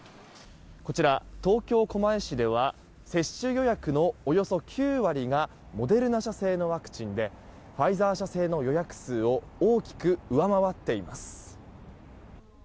こちら東京・狛江市では接種予約のおよそ９割がモデルナ社製のワクチンでファイザー社製の予約数を大きく上回っています。